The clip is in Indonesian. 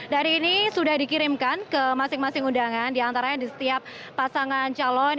dari ini sudah dikirimkan ke masing masing undangan diantaranya di setiap pasangan calon